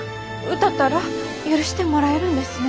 歌ったら許してもらえるんですね。